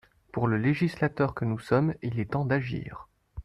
Pour le législateur que nous sommes, il est temps d’agir.